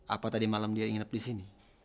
apa tadi malam dia ingin tidur di sini